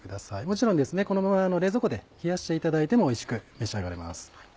もちろんこのまま冷蔵庫で冷やしていただいてもおいしく召し上がれます。